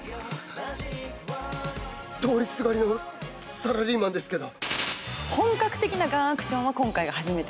通りすがりのサラリーマンですけど。